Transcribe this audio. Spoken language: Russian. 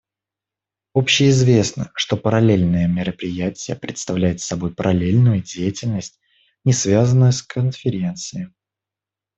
Общеизвестно, что параллельное мероприятие представляет собой параллельную деятельность, не связанную с Конференцией.